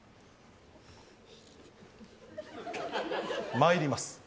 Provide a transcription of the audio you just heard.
まいります。